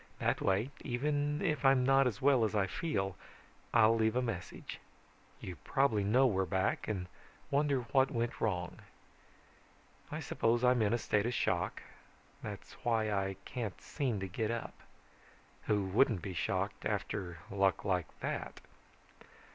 That way even if I'm not as well as I feel, I'll leave a message. You probably know we're back and wonder what went wrong. "I suppose I'm in a state of shock. That's why I can't seem to get up. Who wouldn't be shocked after luck like that?